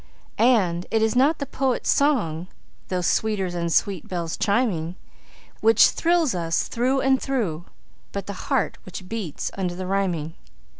And it is not the poet's song, though sweeter than sweet bells chiming, Which thrills us through and through, but the heart which beats under the rhyming.